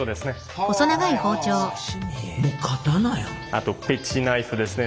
あとペティナイフですね。